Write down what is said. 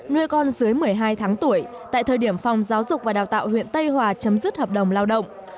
nuôi con dưới một mươi hai tháng tuổi tại thời điểm phòng giáo dục và đào tạo huyện tây hòa chấm dứt hợp đồng lao động